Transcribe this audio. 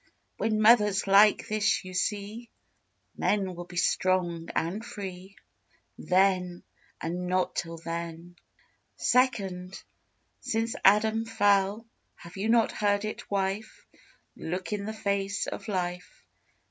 When Mothers like this you see Men will be strong and free Then, and not till then! Second: Since Adam fell, Have you not heard it said That men by women are led?